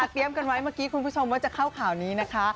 เตรียมกันไว้เมื่อกี้คุณผู้ชมว่าจะเข้าข่าวนี้นะคะ